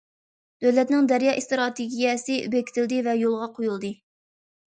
دۆلەتنىڭ« دەريا ئىستراتېگىيەسى» بېكىتىلدى ۋە يولغا قويۇلدى.